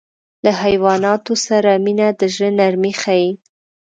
له حیواناتو سره مینه د زړه نرمي ښيي.